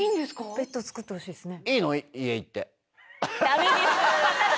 ベッド作ってほしいですね。